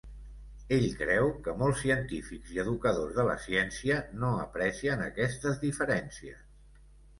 Ell creu que molts científics i educadors de la ciència no aprecien aquestes diferències.